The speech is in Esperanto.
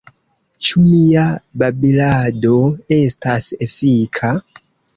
Ĉu mia babilado estas efika?